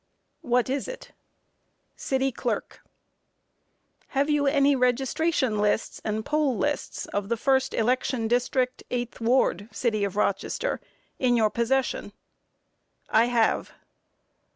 Q. What is it? A. City Clerk. Q. Have you any registration lists and poll lists of the 1st Election District, 8th Ward, City of Rochester, in your possession? A. I have.